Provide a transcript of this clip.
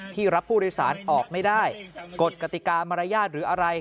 รับผู้โดยสารออกไม่ได้กฎกติกามารยาทหรืออะไร